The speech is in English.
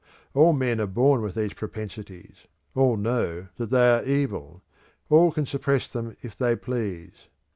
All men are born with these propensities; all know that they are evil; all can suppress them if they please.